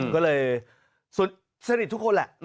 ก็เลยสนิททุกคนแหละ